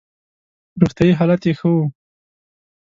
روغتیايي حالت یې ښه وو.